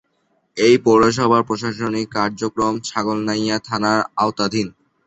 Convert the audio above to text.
এ পৌরসভার প্রশাসনিক কার্যক্রম ছাগলনাইয়া থানার আওতাধীন।